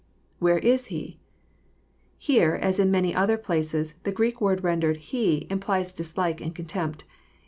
{Where is Hef] Here, as in many other places, the Greek word rendered *^ he " implies dislike and contempt.